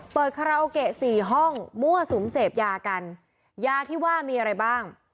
คาราโอเกะสี่ห้องมั่วสุมเสพยากันยาที่ว่ามีอะไรบ้าง